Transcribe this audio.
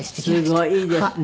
すごい。いいですね。